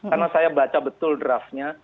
karena saya baca betul draftnya